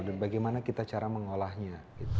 dan bagaimana kita cara mengolahnya